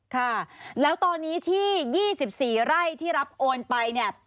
ค่ะแล้วตอนนี้ที่๒๔ไร่ที่รับโอนไปเนี่ย